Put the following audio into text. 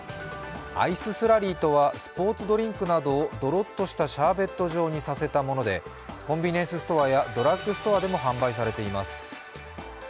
アイススラリーとはスポーツドリンクなどをどろっとしたシャーベット状にさせたもので、コンビニエンスストアやドラッグストアでも販売されています。